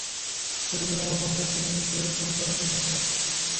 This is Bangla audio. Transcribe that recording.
প্রতিদিন আমার বোনের খুনিকে খুন করার জন্য আমার ক্রোধ বেড়েই চলেছে।